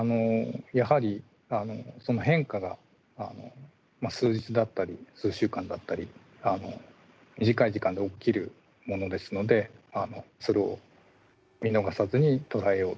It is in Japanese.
やはり変化が数日だったり数週間だったり短い時間で起きるものですのでそれを見逃さずに捉えようということです。